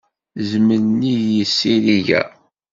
Zmel nnig yizirig-a.